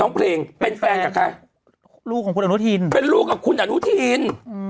ร้องเพลงเป็นแฟนกับใครลูกของคุณอนุทินเป็นลูกกับคุณอนุทินอืม